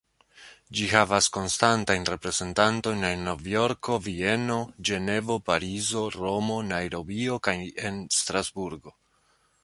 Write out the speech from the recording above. Ĝi havas konstantajn reprezentantojn en Novjorko, Vieno, Ĝenevo, Parizo, Romo, Najrobio kaj en Strasburgo.